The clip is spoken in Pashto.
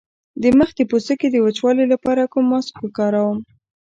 د مخ د پوستکي د وچوالي لپاره کوم ماسک وکاروم؟